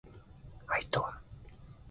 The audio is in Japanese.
愛とは